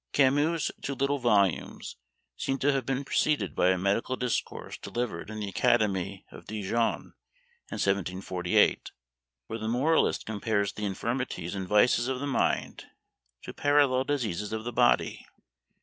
Camus's two little volumes seem to have been preceded by a medical discourse delivered in the academy of Dijon in 1748, where the moralist compares the infirmities and vices of the mind to parallel diseases of the body.